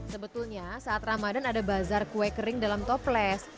sebetulnya saat ramadan ada bazar kue kering dalam toples